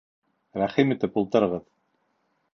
Рәхим итеп ултырығыҙ!